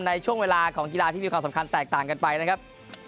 ในช่วงเวลาของกีฬาที่มีความสำคัญแตกต่างกันไปนะครับ